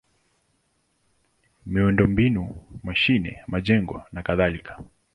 miundombinu: mashine, majengo nakadhalika.